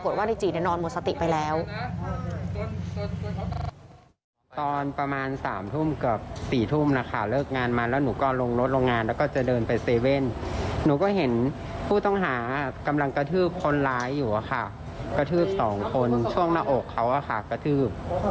แล้วปรากฏว่าดิจิจะนอนหมดสติไปแล้ว